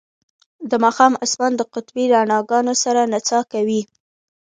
د ماښام اسمان د قطبي رڼاګانو سره نڅا کوي